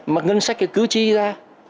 mà ngân sách cứ chi ra